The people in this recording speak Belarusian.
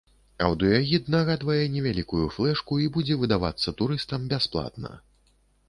Аўдыёгід нагадвае невялікую флэшку і будзе выдавацца турыстам бясплатна.